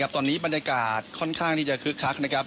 ตอนนี้บรรยากาศค่อนข้างที่จะคึกคักนะครับ